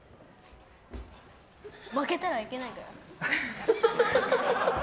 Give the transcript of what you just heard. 負けたら行けないから。